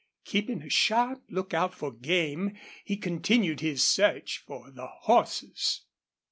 Keeping a sharp lookout for game, he continued his search for the horses.